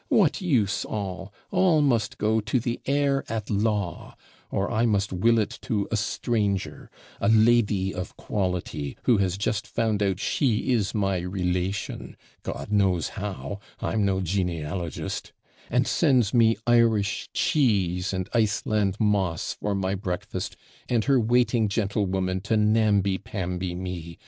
What use all! all must go to the heir at law, or I must will it to a stranger a lady of quality, who has just found out she is my relation God knows how I'm no genealogist and sends me Irish cheese and Iceland moss, for my breakfast, and her waiting gentlewoman to namby pamby me.